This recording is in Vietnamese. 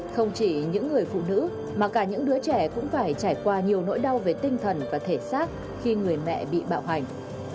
không chỉ những người phụ nữ mà cả những đứa trẻ cũng phải trải qua nhiều nỗi đau về tinh thần và thể xác khi người mẹ bị bạo hành